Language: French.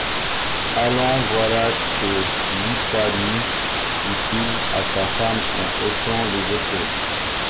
Allons, voilà tes litanies, dit-il à sa femme en haussant les épaules.